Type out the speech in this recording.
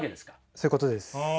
そういうことです。